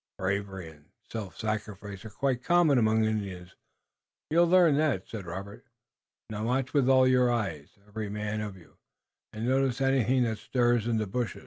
"Bravery and self sacrifice are quite common among Indians. You'll learn that," said Robert. "Now, watch with all your eyes, every man of you, and notice anything that stirs in the brush."